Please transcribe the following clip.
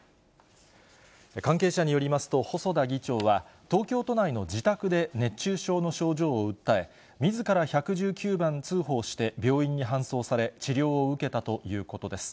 関係者によりますと、細田議長は、東京都内の自宅で熱中症の症状を訴え、みずから１１９番通報して病院に搬送され、治療を受けたということです。